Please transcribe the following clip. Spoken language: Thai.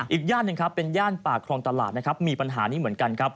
อีกย่านหนึ่งเป็นย่านปากครองตลาดมีปัญหานี้เหมือนกัน